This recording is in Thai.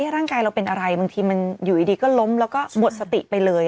ร่างกายเราเป็นอะไรบางทีมันอยู่ดีก็ล้มแล้วก็หมดสติไปเลย